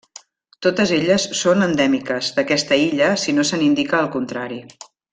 Totes elles són endèmiques d'aquesta illa si no se n'indica el contrari.